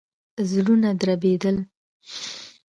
زړونه دربېدل.